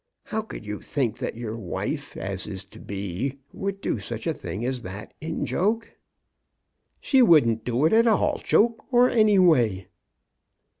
How could you think that your wife, as is to be, would do such a thing as that in joke? "She wouldn't do it at all, joke or any way."